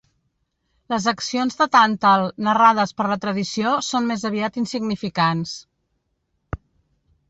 Les accions de Tàntal narrades per la tradició són més aviat insignificants.